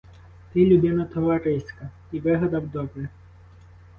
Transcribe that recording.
Ти людина товариська і вигадав добре.